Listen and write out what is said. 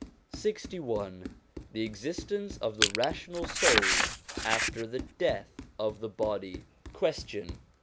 LXVI THE EXISTENCE OF THE RATIONAL SOUL AFTER THE DEATH OF THE BODY Question.